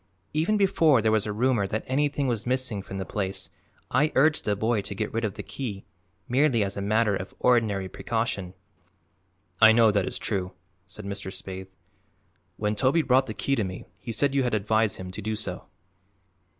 Even before there was a rumor that anything was missing from the place I urged the boy to get rid of the key merely as a matter of ordinary precaution." "I know that is true," said Mr. Spaythe. "When Toby brought the key to me he said you had advised him to do so."